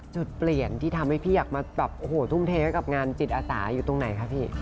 จุดเปลี่ยนที่ทำให้พี่อยากมาทุ่มเทกับงานจิตอาสาอยู่ตรงไหนครับพี่